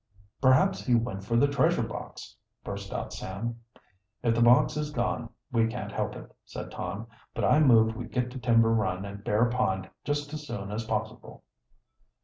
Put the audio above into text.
"Perhaps he went for the treasure box!" burst out Sam. "If the box is gone, we can't help it," said Tom. "But I move we get to Timber Run and Bear Pond just as soon as possible."